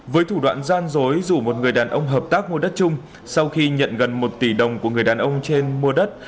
với thủ đoạn gian dối rủ một người đàn ông hợp tác mua đất chung sau khi nhận gần một tỷ đồng của người đàn ông trên mua đất